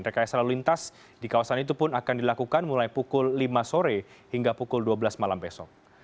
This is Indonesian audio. rekayasa lalu lintas di kawasan itu pun akan dilakukan mulai pukul lima sore hingga pukul dua belas malam besok